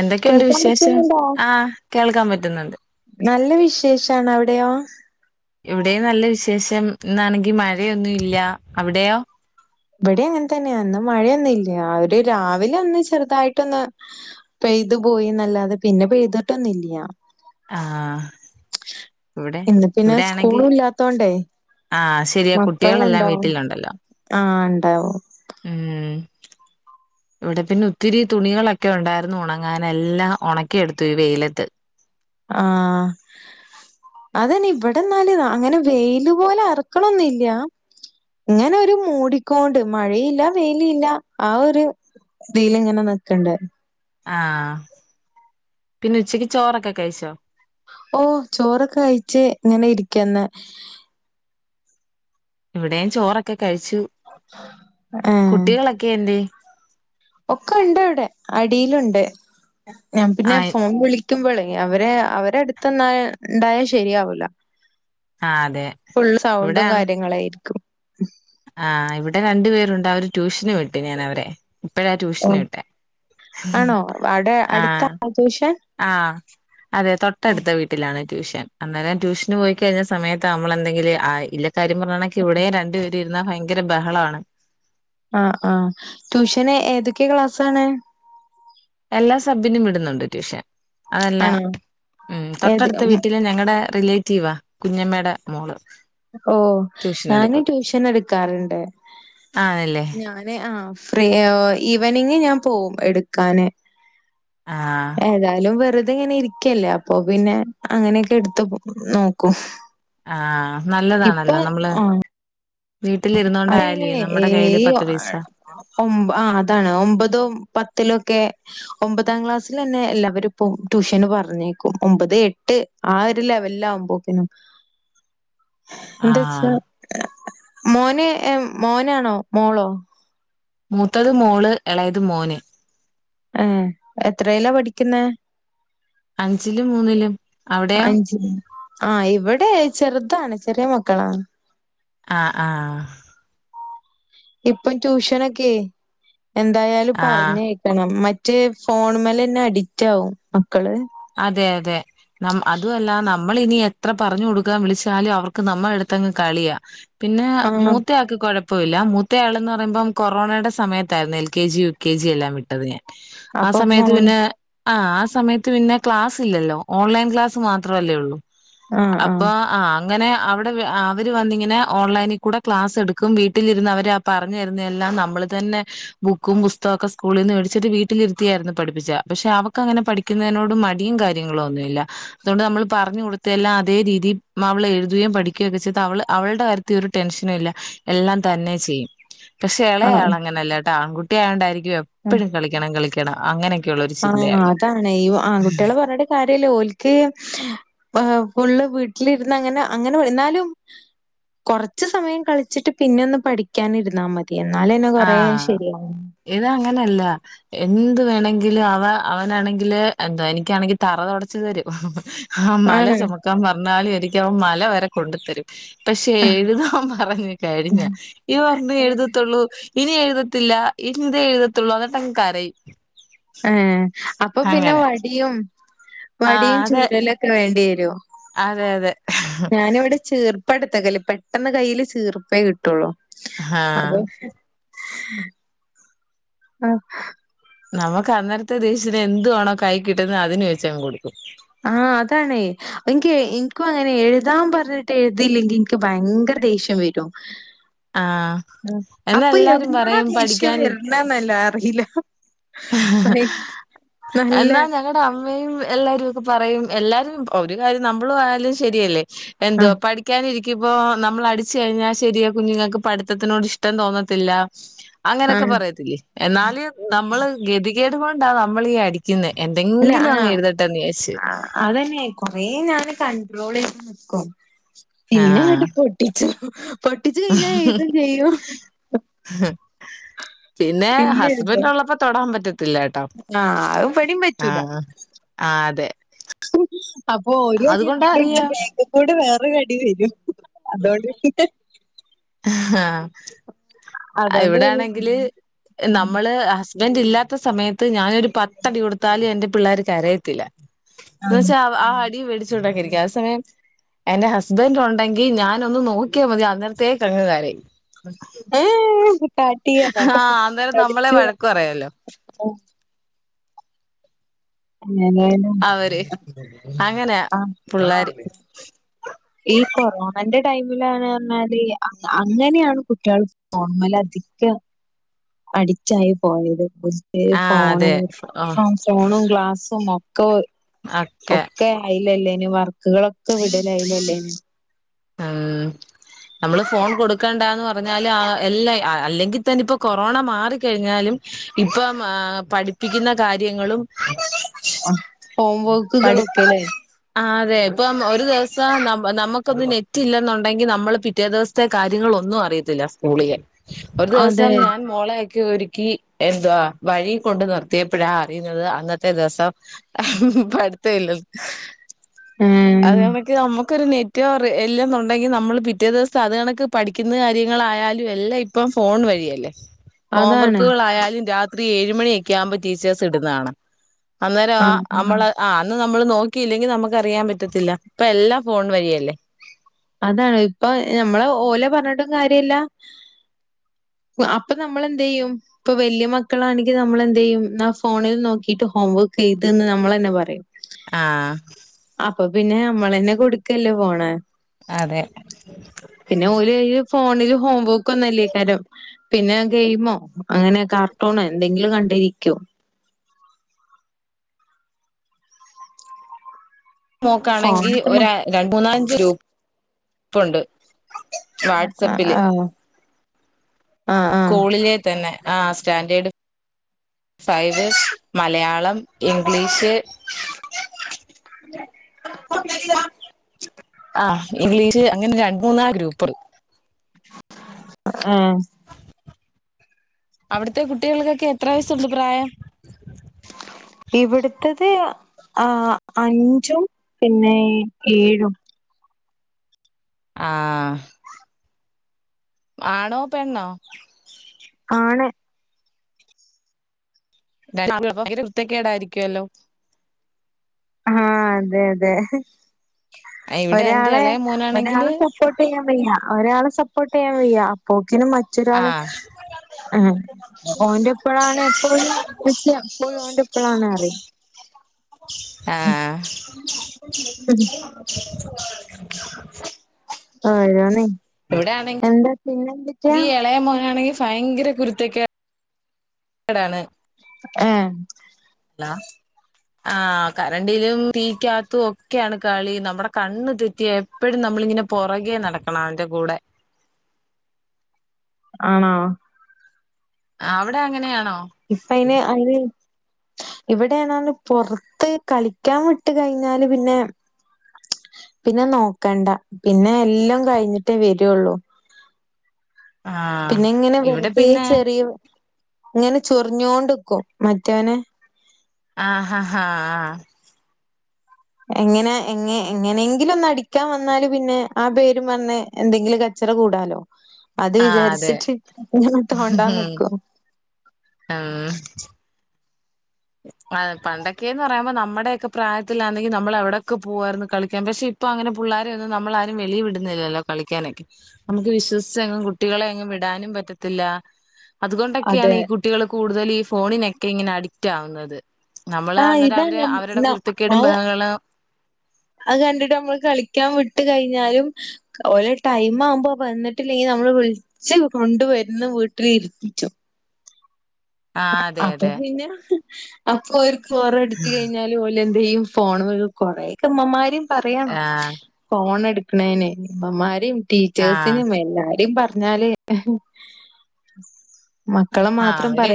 എന്തൊക്കെയുണ്ട് കേൾക്കാൻ വിശേഷം? പറ്റുന്നുണ്ടോ? ആഹ് കേൾക്കാൻ പറ്റുന്നുണ്ട്. നല്ല വിശേഷാണ്. അവിടെയോ? ഇവിടെയും നല്ല വിശേഷം. ഇന്നാണെങ്കി മഴയൊന്നും ഇല്ല. അവിടെയോ? ഇവിടെ അങ്ങൻതന്നെയാ ഇന്ന് മഴയൊന്നും ഇല്ല അവര് രാവിലെ ഒന്ന് ചെറുതായിട്ടൊന്ന് പെയ്തു പോയിന്നല്ലാതെ പിന്നെ പെയ്തിട്ടൊന്നുല്ല്യ ആഹ് ഇവിടെ ഇന്ന് പിന്നെ ഇവിടെ ആണെങ്കി സ്കൂളു ഇല്ലാത്തോണ്ടേ ആഹ് ശരിയാ മക്കളും കുട്ടികളെല്ലാം ഉണ്ടാവും. വീട്ടിലുണ്ടല്ലോ? ആഹ് ഇണ്ടാവും. ഏഹ് ഇവിടെ പിന്നെ ഒത്തിരി തുണികളൊക്കെ ഒണ്ടായിരുന്നു ഒണങ്ങാൻ എല്ലാം ഒണക്കിയെടുത്തു ഈ വെയിലത്ത്. ആഹ്. അത് തന്നെ ഇവിടെ എന്നാല് അങ്ങനെ വെയില് പോലെ അറക്കണ ഒന്നു ഇല്ല. ഇങ്ങനെ ഒരു മൂടിക്കോണ്ട് മഴയില്ല വെയിലില്ല ആ ഒരു വെയിൽ ഇങ്ങനെ നിക്കണ്ട്. ആഹ് പിന്നെ ഉച്ചക്ക് ചോറൊക്കെ കഴിച്ചോ? ഓഹ് ചോറൊക്കെ കയിച്ച് ഇങ്ങനെ ഇരിക്കെന്നാ ഇവിടെയും ചോറൊക്കെ കഴിച്ചു. ഏഹ് ഇക്ക എന്തിയേ? ഒക്കെ ഇണ്ട് അവിടെ അടിയിലുണ്ട് ഞാൻ പിന്നെ ആഹ് ഫോൺ വിളി ക്കുമ്പളെ അവരെ അവര് അടുത്ത് നിന്നാ ഇണ്ടായാൽ ശരിയാവൂല ആഹ് അതെ ഫുള്ള് ഇവിടെ സൗണ്ടും കാര്യങ്ങളായിരിക്കും ആഹ് ഇവിടെ രണ്ടു പേരുണ്ട് അവരെ ട്യൂഷന് വിട്ട് ഞാൻ അവരെ ഇപ്പഴാ ഓ, ട്യൂഷന് വിട്ടെ ആണോ അവിടെ ആഹ് അടുത്താണോ ട്യൂഷൻ ആഹ് അതെ തൊട്ടടുത്ത വീട്ടിലാണ് ട്യൂഷൻ അന്നേരം ട്യൂഷന് പോയി കഴിഞ്ഞ സമയത്താ നമ്മളെന്തെങ്കിലു ആഹ് ഇല്ലക്കാര്യ പറഞ്ഞകണക്കിന് ഇവിടെയും രണ്ട് ണ്ടിരുന്നാ ഭയങ്കര ബഹളാണ് ആഹ് ആഹ് ട്യൂഷന് ഏതൊക്കെ ക്ലാസ് ആണ് എല്ലാ സബ്ബിനും വിടുന്നുണ്ട് ട്യൂഷൻ അതല്ല ആണോ ഉം ഏത് തൊട്ടടുത്ത ഉം വീട്ടിലെ ഞങ്ങടെ റിലേറ്റീവാ കുഞ്ഞമ്മേടെ മോള് ഓഹ് ട്യൂഷൻ ഞാന് എടുക്കും ട്യൂഷൻ എടുക്കാറുണ്ട് ആണല്ലേ ഞാൻ നെ ആ ഫ്രീ ഈവനിങ് ഞാൻ പോകും എടുക്കാന് ആഹ് ഏതായാലും വെറുതെ ഇങ്ങനെ ഇരിക്ക് ക്കല്ലേ അപ്പൊ പിന്നെ അങ്ങനെയൊക്കെ എടുത്ത് നോക്കും ആഹ് ഇപ്പൊ നല്ലതാണല്ലോ നമ്മള് ആഹ് വീട്ടിലിരുന്നോണ്ടായാലുവേ നമ്മുടെ കയ്യിയില് പത്ത് പൈസ ഒമ് ആഹ് അതാണ് ഒമ്പതും പത്തിലൊക്കെ ഒമ്പതാം ക്ലാസ്സിലെന്നെ എല്ലാവരും ഇപ്പം ട്യൂഷന് പറഞ്ഞയക്കും ഒമ്പത് എട്ട് ആ ഒര് ലെവലിലാവുമ്പോത്തിനും എന്താച്ചാ ആഹ് മോന് ഏഹ് മോനാണോ മോളോ മൂത്തത് മോള് എളയത് മോന് എഹ് എത്രേലാ പഠിക്കുന്നേ അഞ്ചിലും മൂന്നിലും അവിടെയോ? ഉ [inaudible] ആഹ് ഇവിടെ ചെറുതാണ് ചെറിയ മക്കളാണ് ആഹ് ആഹ് ഇപ്പം ട്യൂഷനൊക്കെ എന്തായാലും ആഹ് പറഞ്ഞയക്ക് ക്കണം മറ്റ് ഫോണ് മ്മെലെന്നെ അഡിക്റ്റ് ആകും മക്കള് അതെ അതെ നമ് അതുവല്ല നമ്മൾ ഇനി എത്ര പറഞ്ഞു കൊടുക്കാൻ വിളിച്ചാലും അവർക്ക് നമ്മ എടുത്തങ്ങ് കളിയാ പിന്നെ ആ മൂത്തയാക്ക് കൊഴപ്പ് പ്പൊല്ല മൂത്ത ആള്ന്ന് പറയുമ്പം കൊറോണയുടെ സമയത്തായിരുന്നു L K G U K G എല്ലാം വിട്ടത് ഞാൻ ആ അപ്പൊ സമയത്ത് ഫോൺ പിന്നെ ആഹ് ആ സമയത്ത് പിന്നെ ക്ലാസ്സില്ലല്ലോ ഓൺലൈൻ ക്ലാസ്സ് മാത്രല്ലേ ഒള്ളൂ ആ ആ അപ്പ ആഹ് അങ്ങനെ അവിടെ അവർ വന്നിങ്ങനെ ഓൺലൈനിൽ കൂടെ ക്ലാസ് എടുക്കും വീട്ടിലിരുന്ന് അവരെ പറഞ്ഞു തരുന്നതെല്ലാം നമ്മൾ തന്നെ ബുക്കും പുസ്തകമൊക്കെ സ്കൂളിൽ നിന്ന് മേടിച്ചിട്ട് വീട്ടിലിരുത്തിയായിരുന്നു പഠിപ്പിച്ച പക്ഷെ അവക്ക് അങ്ങനെ പഠിക്കുന്നതിനോട് ഇയും കാര്യങ്ങളോ ഒന്നുല്ല അതുകൊണ്ട് നമ്മൾ പറഞ്ഞു കൊടുത്ത എല്ലാം അതേ രീതി അവള് എഴുതയയും പഠിക്കുകയ ഒക്കെ ചെയ്ത് അവള് അവളുടെ കാര്യത്തി ത്തി ഒരു ടെൻഷനും ഇല്ല എല്ലാം തന്നെ ചെയ്യും പക്ഷെ ആ ഇളയാള അങ്ങനെല്ല കേട്ടോ ആൺകുട്ടിയായോണ്ടായിരിക്കും ഉം. എപ്പോഴും കളിക്കണം കളിക്കണം അങ്ങനെ ആഹ് അതാണ് ഈ ആ കുട്ടികളെ പറഞ്ഞട്ടേ കാര്യല്ലേ ഓൽക്ക് ഫുള്ള് വീട്ടിലിരുന്ന് അങ്ങനെ അങ്ങനെ എന്നാലും കൊറച്ച്സമയം കളിച്ചിട്ട് പിന്ന ഒന്ന് പഠിക്കാന ഇരുന്നാ മതി എന്നാല എന്നെ ആഹ് കൊറെശരിയാവു ഇത് അങ്ങനെയല്ല എന്ത് വേണങ്കിലും അവ അവനാണെങ്കില് എന്താ എനിക്കാണെങ്കിൽ തറ തൊടച്ച് തരും ആഹ് മല ആണ്. ചുമക്കാൻ പറഞ്ഞാലും എനിക്ക് അവ മല വരെ കൊണ്ടു തരും പക്ഷെ ഏഹ്. എഴുതാൻ പറഞ്ഞു കാര്യല്ലാ ഈ പറഞ്ഞ് എഴുതത്തുള്ളൂ ഇനി എഴുതത്തില്ല ഇനി ഇതേ എഴുതത്തുള്ളൂ എന്നിട്ടം കാരേ ഏ അപ്പൊ പിന്നെ വടിയും ആ വടിയും അതെ ചൂരലക്കെ വേണ്ടി വരും അതെ അതെ ഞാനിവിടെ ചേർ ഇപ്പടുത്തെ കല്ല പെട്ടെന്ന് കയ്യിൽ ചീർപ്പേ കിട്ടുള്ളൂ ആ അപ്പൊ ആഹ് നമുക്ക് അന്നരത്തെ ദേശത്തിന് എന്തുവാേണോ കൈ കിട്ടുന്നത് അതിന് വെച്ച കൊടുക്കും ആഹ് അതാണ് എനിക്ക് എനിക്കും അങ്ങനെ എഴുതാൻ പറഞ്ഞിട്ട് എഴുതിയില്ലെകീ ക്ക് ഭയങ്കര ദേഷ്യം വരും ആ ആ എന്നാ അപ്പൊ എല്ലാരും എവിടന്നാ പറയും ദേഷ്യം പഠിക്കാനി വരണന് അറിയില്ല നല്ല ങ്ങളടെ അമ്മയും എല്ലാരും ഒക്കെ പറയും എല്ലാരും ഒരു കാര്യം നമ്മൾ ആയാലും ശരിയല്ലേ എന്തോ ആഹ് പഠ പിക്കാനിരിക്കും ബോ നമ്മൾ അടിച്ച് കഴിഞ്ഞാ ശെരിയാ കുഞ്ഞുങ്ങൾക്ക് പഠിത്തത്തിനോട് ഇഷ്ടം തോന്നത്തില്ല അങ്ങനെയൊക്കെ ആഹ് പറയത്തില്ലേ എന്നാല് നമ്മള് ഗതികേടു കൊണ്ടാ നമ്മൾ അടി അല്ല എന്തെങ്കിലും അങ് ആഹ് എഴുതട്ടെന്ന് വിചാരിച്ച് അതന്നെ കൊറെ ഞാന് കണ്ട്രോൾ ചെയ്ത് നിക്കും പിന്നെ ആഹ് ഇങ്ങട്ട് പൊട്ടിച്ചു പൊട്ടിച് കഴിഞ്ഞാ എഴതും ചെയ്യും പിന്നെ ഹസ്ബൻഡ ഉള്ളപ്പോ തൊടാൻ പറ്റത്തില്ലട്ടോ ആഹ് അത് ഇവടിം പറ്റൂല ആഹ് അതെ അപ്പൊ ഒരു അടിങ്ങട്ടടിച്ചാൽ അതുകൊണ്ടറിയാം ബേക്ക്ന്ന് കൂടെ വേറെ കടി വരും അതുകൊണ്ട് ആഹ് അതോണ്ട് ഇവിടെ ആണെങ്കില് പിന്നെ നമ്മള് അസ്ബൻണ്ട് ഇല്ലാത്ത സമയത്ത് ഞാനൊരു പത്തടി കൊടുത്താല് എന്റെ പിള്ളേർക്ക് കരയത്തില്ല എന്ന് വച്ച ആ അടി വെടിച്ചുടാരിക്കും ആ സമയം എന്റെ ഹസ്ബന്റ് ഉണ്ടെങ്കി ഞാനൊന്ന് നോക്കിയാൽ മതി അന്നരത്തേക്ക് അ കരയി ശ കാട്ടി അതാണ്ട് ആഹ് അന്നേരം നമ്മളെ അടിച്ച് വഴക്ക പറയല്ലോ അ ഏധായാലും അവര് അങ്ങനെയാ പിള്ളർ ഈ കൊറോണന്റെ ടൈമിലന്ന് പറഞ്ഞാല് അങ്ങനെയാണ് കുട്ടിയ ൾ ഫോൺമലതികം അടിട്ടായി പോയത് ആഹ് അതെ ഫോൺമലന്നെ ഓഹ് ഫോണും ഗ്ലാസും ഒ ഒക്കെ അയിലല്ലേനും വർക്കുകളൊക്കെ വിടലായില്ലല്ലെ ഉം [inaudible] നമ്മള് ഫോൺ കൊടുക്കണ്ടന്ന് പറഞ്ഞാല് എല്ലാം അല്ലെങ്കി തന്നെ ഇപ്പൊ കൊറോണ മാറിക്കഴിഞ്ഞാലും ഇപ്പം പഠിപ്പിക്കുന്ന കാര്യങ്ങളും ആ ഹോം പഠി വർക്കുകളൊക്കെ അല്ലേ ആ അതെ ഇപ്പം ഒരു ദിവസം ന നമുക്കൊന്നു നെ നെറ്റില്ലെന്നുണ്ടെങ്കിൽ നമ്മള് പിറ്റേ ദിവസത്തെ കാര്യങ്ങൾ ഒന്നും അറിയത്തില്ല സ്കൂളിലെ ഒരു അതെ ദിവസം ഞാൻ മോളയൊക്കെ ഒരുക്കി എന്തവാ വഴി കൊണ്ട് നിർത്തിയപ്പോഴാ അറിയുന്നത് അന്നത്തെ ദിവസം പഠിത്തല്ലന്ന് ഉം അതിനെപ്പറ്റി നമുക്കൊരു നെറ്റ അറ എല്ലാന്നുണ്ടെങ്കിൽ നമ്മൾ പിറ്റേ ദിവസം അത് കണക്ക് പഠിക്കുന്ന കാര്യങ്ങളായാലും എല്ലാം ഇപ്പം ഫോൺ വഴിയല്ലേ [inaudible] ഹോം വർക്കുകളായാലും രാത്രി ഏഴ് മണിയൊക്കെ ആവുമ്പോൾ ടീച്ചേഴ്സ് ഇടുന്ന കാണാം അന്നേരം ആ ആഹ് ആഹ് നമ്മള് ആ അന്ന് നമ്മള് നോക്കിയില്ലെങ്കി നമുക്ക് അറിയാൻ പറ്റത്തില്ല ഇപ്പ എല്ലാ ഫോൺ വഴിയല്ലേ അതാണ് ഇപ്പൊ ഞമ്മള് ഓലെ പറഞ്ഞിട്ടും കാര്യല അപ്പം നമ്മൾ എന്ത് ചെയ്യും ഇപ്പൊ വലിയ മക്കളാണെങ്കിൽ നമ്മൾന്ത് ചെയ്യും ന്നാ ഫോണിൽ നോക്കിയിട്ട് ഹോം വർക്ക് എഴുത് ന്ന് നമ്മൾ തന്നെ പറയും ആഹ് അപ്പൊ പിന്നെ നമ്മളന്നെ കൊടുക്കല്ലേ ഫോൺ അതെ പിന്നെ ഓൽ ഫോണില് ഹോംവർക്ക് ഒന്നുല്ലേ കാരം പിന്നെ ഗെയിമോ അങ്ങനെ കാർട്ടൂണോ എന്തെങ്കിലും കണ്ടിരിക്കും മോക്കാണെങ്കിൽ ഫോണൊക്കെ മ ഒര രണ്ട് മൂന്നലഞ്ച് ഗ്രൂപ്പുണ്ട് ആ വാട്സപ്പില് ആഹ് ആഹ് ആഹ് സ്കൂളിലെ തന്നെ ആ സ്റ്റാൻഡേർഡ് ഫൈവ് മലയാളം ഇംഗ്ലീഷ് ആഹ് ഇംഗ്ലീഷ് അങ്ങനെ രണ്ട് മൂന്നാ ഗ്രൂപ്പറ് ആഹ് അവിടുത്തെ കുട്ടികൾക്കൊക്കെ എത്ര വയസുണ്ട് പ്രായം ഇവിടുത്തത് ആ അഞ്ചും പിന്നെ ഏഴും ആഹ് ആണോ പെണ്ണോ ആണ് ഭയങ്കര കുരുത്തക്കേടായിരിക്കുവല്ലോ ആഹ് അതെ അതെ ഇവിടെ എന്റെ ഒരാളെ ഇളയ ഒരാള് മോനാണെങ്കില് സെപ് സപ്പോർട്ട് ചെയ്യാൻ വയ്യാ ഒരാള സപ്പോർട്ട് ചെയ്യാൻ വയ്യ അപ്പോക്കിനും മറ്റൊരാള് ആഹ് ആ ഓന്റെ എപ്പഴാണ് എപ്പോഴും മ്മച്ചി എപ്പോഴും ഓന്റെ എപ്പളാണ് പറിയും ആഹ് ഓരോന്നെ ഇവിടെ എന്താ പിന്നെന്തൊക്കെയാ ആണെങ്കി ഇളയ മോനാണെങ്കിൽ ഭയങ്കര കുരുത്തകേടാ ടാണ് ഏഹ് ലാ ആഹ് കരണ്ടിലും തീക്കാകത്തും ഒക്കെയാണ് കളി നമ്മുടെ കണ്ണ് തെറ്റിയ എപ്പോഴും നമ്മളിങ്ങനെ പുറകെ നടക്കണം അവന്റെ കൂടെ ആണാ അവിടെ അങ്ങനെയാണോ ഇപ്പ അയിന് അതിന് ഇവിടെയാണ പൊറത്ത് കളിക്കാൻ വിട്ട് കഴിഞ്ഞാല് പിന്നെ പിന്നെ നോക്കണ്ട പിന്നെ എല്ലാം കഴിഞ്ഞിട്ടേ വരുള്ളൂ ആഹ് പിന്നെ ഇങ്ങനെ ഇവിടെ വെറുതെ പിന്നെ ചെറിയ ഇങ്ങനെ ചൊറിഞ്ഞോണ്ട്ക്കും മറ്റവനെ ആഹഹ ആഹ് ആഹ് എങ്ങനെ എങ്ങ എങ്ങനെങ്കിലും ഒന്നടിക്കാൻ വന്നാല് പിന്നെ ആ പേര് പറഞ് എന്തെങ്കിലും കച്ചറ കൂടാലോ അത് ആഹ് അതെ വിചാരിച്ചിട്ട് ഇങ്ങനെ തോണ്ടാൻ ന്ക്കും ആഹ് ആഹ് പണ്ടൊക്കെന്ന് പറയുമ്പോ നമ്മുടെക്കെ പ്രായത്തിലാണെങ്കിൽ നമ്മൾ എവിടെയൊക്കെ പോകാരുന്നു കളിക്കാൻ പക്ഷെ ഇപ്പൊ അങ്ങനെ പുള്ളാരെ ഒന്നും നമ്മളാരും വെളി വിടുന്നില്ലല്ലോ കളിക്കാനൊക്കെ നമുക്ക് വിശ്വസിച്ചങ്ങും കുട്ടികളെ അങ്ങ് വിടാനും പറ്റത്തില്ല അതുകൊണ്ടൊക്കെയാണ് അതെ ഈ കുട്ടികള് കൂടുതൽ ഈ ഫോണിനൊക്കെ ഇങ്ങനെ അഡിക്റ്റ് ആവുന്നത് നമ്മള് ആഹ് അന്നേരം ഇതാ അവര് ഞം അവരുടെ ന കുര് ത്തക്കേടും അത് ബഹളങ്ങളും അത് കണ്ടിട്ട് നമ്മള് കളിക്കാൻ വിട്ട് കഴിഞ്ഞാലും ഓലെ ടൈം ആവുമ്പോ വന്നിട്ടില്ലെങ്കിൽ നമ്മള് വിൾ [unintelligible] കൊണ്ടുവര്ന്ന വീട്ടില് ഇര്പ്പിച്ചൊ. ആ അതെ അപ്പൊ അതെ പിന്നെ അപ്പൊ ഓര്ക്ക് [unintelligible] കഴിഞ്ഞാല്. ലെന്തെയ്യും [unintelligible] കൊറെക്കെ മ്മമ്മാര് പറയണം. ആഹ് ഫോണെട്ക്ക്ണേനെയ് മ്മമ്മാരിം ആഹ് ടീച്ചേഴ്‌സിനിം എല്ലാരിം പറഞ്ഞാലെ. [unintelligible] ആഹ്. അവര്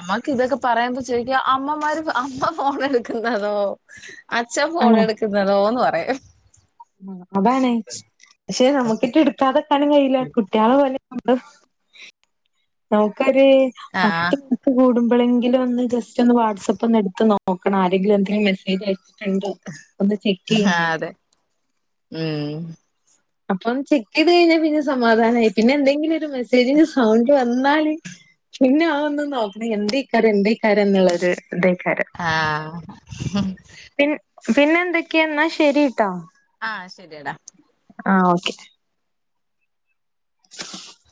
അമ്മക്ക് ഇതൊക്കെ പറയുമ്പോ ചോയ്ക്കും അമ്മമാര് അമ്മ ഫോണെട്ക്കുന്നതോ? അച്ഛൻ ആഹ് ഫോണെട്ക്ക്‌ന്നതോന്ന് പറയും. അതാണ്. ക്ഷെ നമുക്കെറ്റെ ഇട്ക്കാതക്കാനും കഴിയില്ല. കുട്ട്യാളെ പോലെ. ഓക്കൊര് ആഹ് പത്ത്. കൂടുമ്പളെങ്കിലും ഒന്ന് ജസ്റ്റ് ഒന്ന് വാട്സപ്പൊന്ന് എടുത്ത് നോക്കണം. ആരെങ്കിലും എന്തേം മെസ്സേജ് അയ്ച് ണ്ടോ ഒന്ന് ആ ചെക്കെയ്യണേ. അതെ ഉം അപ്പം ചെക്കെയ്ത് കഴിഞ്ഞാ പിന്നെ സമാധാനായി. പിന്നെ എന്തെങ്കിലൊര് മെസ്സേജ്ന്റെ സൗണ്ട് വന്നാല്. പിന്നെ ആഒന്നും നോക്കണെ എന്തെയ്ക്കാരം എന്തെയ്ക്കാരം ന്ന്ള്ളൊര് തെയ്ക്കാരം. ആഹ്. പി പിന്നെ എന്തൊക്കെ? ന്നാ. ശരിട്ടാ ആഹ്. ശരിയെടാ. ആഹ്. ഓക്കെ. [inaudible]